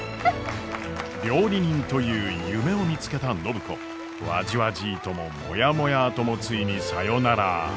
料理人という夢を見つけた暢子。わじわじーとももやもやーともついにさよなら！